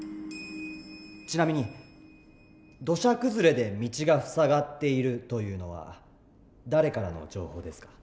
ちなみに土砂崩れで道が塞がっているというのは誰からの情報ですか？